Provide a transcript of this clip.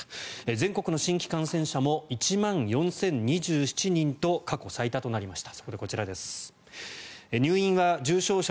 全国の新規感染者も１万４０２７人と過去最多となりました。